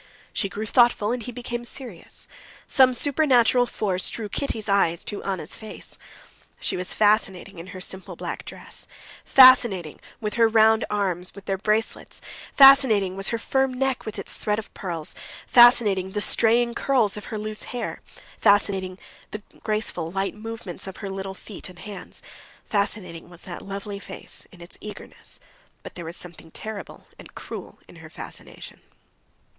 She grew thoughtful, and he became serious. Some supernatural force drew Kitty's eyes to Anna's face. She was fascinating in her simple black dress, fascinating were her round arms with their bracelets, fascinating was her firm neck with its thread of pearls, fascinating the straying curls of her loose hair, fascinating the graceful, light movements of her little feet and hands, fascinating was that lovely face in its eagerness, but there was something terrible and cruel in her fascination.